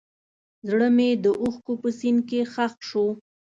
زړه مې د اوښکو په سیند کې ښخ شو.